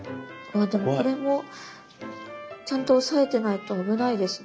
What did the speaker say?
あでもこれもちゃんと押さえてないと危ないですね。